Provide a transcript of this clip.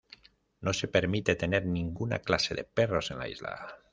No se permite tener ninguna clase de perros en la isla.